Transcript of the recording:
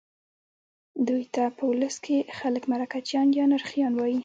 دوی ته په ولس کې خلک مرکچیان یا نرخیان وایي.